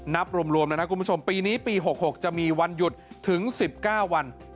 นับรวมแล้วนะคุณผู้ชมปีนี้ปี๖๖จะมีวันหยุดถึง๑๙วัน